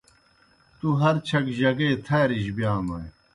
تُوْ ہر چھک جگے تھارِجیْ بِیانوئے۔